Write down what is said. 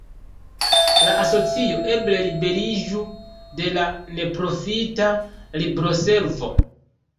La asocio eble liberiĝu de la neprofita libroservo.